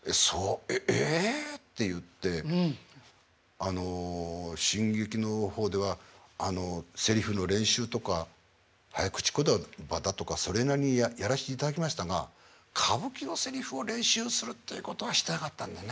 あの新劇の方ではセリフの練習とか早口言葉だとかそれなりにやらせていただきましたが歌舞伎のセリフを練習するっていうことはしてなかったんでね。